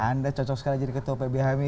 anda cocok sekali jadi ketua pb hmi